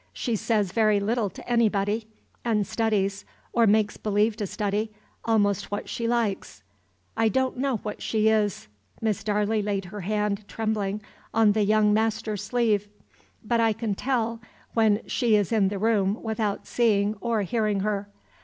She says very little to anybody, and studies, or makes believe to study, almost what she likes. I don't know what she is," (Miss Darley laid her hand, trembling, on the young master's sleeve,) "but I can tell when she is in the room without seeing or hearing her.